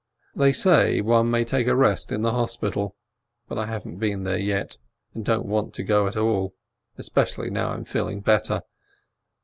They say, one may take a rest in the hospital, but I haven't been there yet, and don't want to go at all, especially now I am feeling better.